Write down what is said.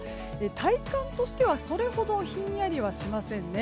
体感としてはそれほどひんやりはしませんね。